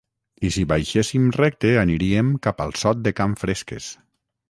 i si baixéssim recte aniríem cap al sot de can Fresques